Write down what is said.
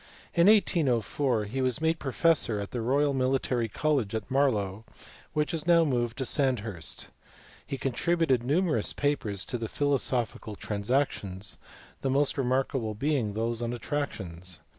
In 1804 he was made professor at the Royal Military College at Marlow, which is now moved to Sandhurst. He contributed numerous papers to the Philosophical Transactions, the most remarkable being those on attractions.